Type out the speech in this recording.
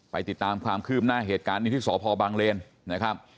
ติดตามความคืบหน้าเหตุการณ์นี้ที่สพบังเลนนะครับ